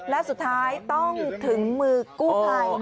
และสุดท้ายต้องถึงมือกู้ภัย